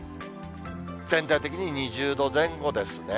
全体的に２０度前後ですね。